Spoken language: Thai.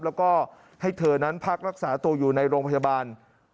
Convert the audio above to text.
แล้วก็ให้เธอนั้นพักรักษาตัวอยู่ในโรงพยาบาล